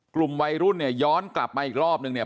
กลุ่มวัยรุ่นเนี่ยย้อนกลับมาอีกรอบนึงเนี่ย